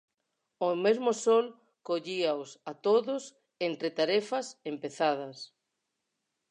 O mesmo sol collíaos a todos entre tarefas empezadas.